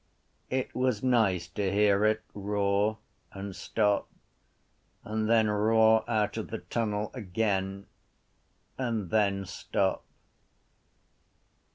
It was nice to hear it roar and stop and then roar out of the tunnel again and then stop.